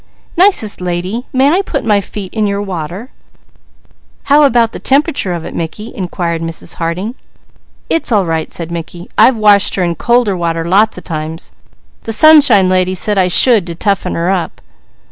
"Nicest lady, may I put my feet in your water?" "How about the temperature of it, Mickey?" inquired Mrs. Harding. "It's all right," said Mickey. "I've washed her in colder water lots of times. The Sunshine Lady said I should, to toughen her up."